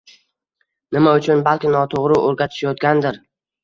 Nima uchun? Balki noto‘g‘ri o‘rgatishayotgandir?